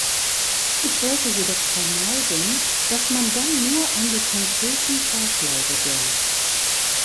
Ich wollte jedoch vermeiden, dass man dann nur an die konkreten Vorschläge denkt.